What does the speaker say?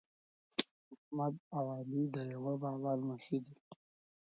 احمد او علي د یوه بابا لمسي دي.